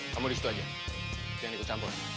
kamu disitu aja jangan ikut campur